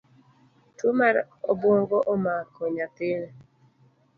Tuo mar obuongo omako nyathini